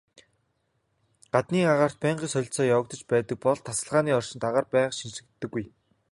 Гаднын агаарт байнгын солилцоо явагдаж байдаг бол тасалгааны орчинд агаар байнга шинэчлэгддэггүй.